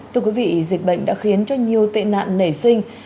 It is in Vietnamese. thưa quý vị dịch bệnh đã khiến cho nhiều tệ nạn nảy sinh